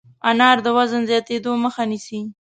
انار د وزن زیاتېدو مخه نیسي.